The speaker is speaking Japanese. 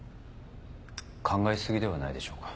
考え過ぎではないでしょうか？